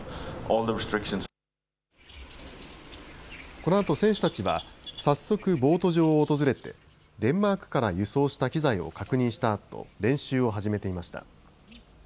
このあと選手たちは早速、ボート場を訪れてデンマークから輸送した機材を確認したあと練習を始めていました。